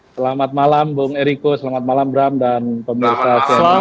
selamat malam bang eriko selamat malam bram dan pemerintah